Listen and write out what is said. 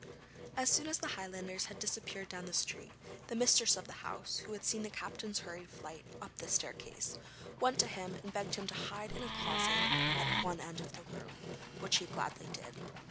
As soon as the Highlanders had disappeared down the street, the mistress of the house, who had seen the captain's hurried flight up the staircase, went to him and begged him to hide in a closet at one end of the room, which he gladly did.